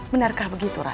benarkah begitu ray